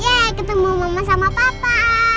ya ketemu mama sama papa